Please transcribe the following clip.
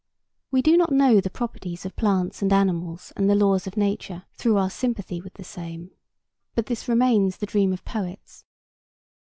We do not know the properties of plants and animals and the laws of nature, through our sympathy with the same; but this remains the dream of poets.